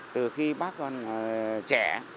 từ khi bác còn trẻ